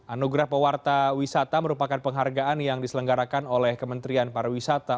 anugerah pewarta wisata merupakan penghargaan yang diselenggarakan oleh kementerian pariwisata